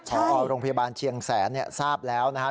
พอโรงพยาบาลเชียงแสนทราบแล้วนะครับ